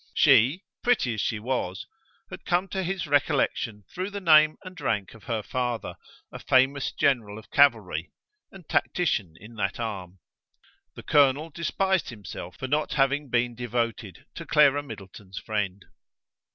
She, pretty as she was, had come to his recollection through the name and rank of her father, a famous general of cavalry, and tactician in that arm. The colonel despised himself for not having been devoted to Clara Middleton's friend.